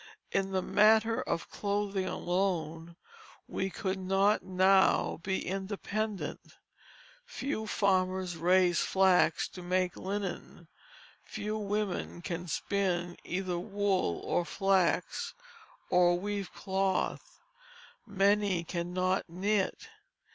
In the matter of clothing alone we could not now be independent. Few farmers raise flax to make linen; few women can spin either wool or flax, or weave cloth; many cannot knit.